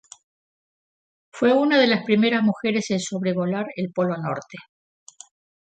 Fue una de las primeras mujeres en sobrevolar el Polo Norte.